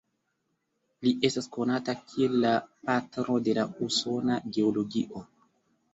Li estas konata kiel la 'patro de la usona geologio'.